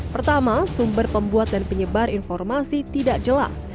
pertama sumber pembuat dan penyebar informasi tidak jelas